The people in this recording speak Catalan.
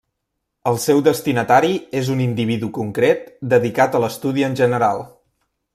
El seu destinatari és un individu concret dedicat a l'estudi en general.